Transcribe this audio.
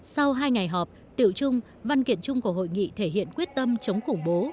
sau hai ngày họp tựu chung văn kiện chung của hội nghị thể hiện quyết tâm chống khủng bố